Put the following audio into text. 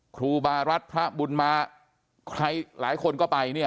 ครูบารัฐพระบุญมาใครหลายคนก็ไปเนี่ย